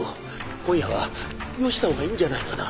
今夜はよした方がいいんじゃないかな」。